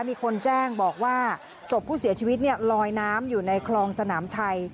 มีคนแจ้งบอกว่าศพผู้เสียชีวิตลอยน้ำอยู่ในคลองสนามชัย